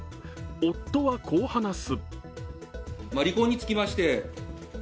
夫は、こう話す。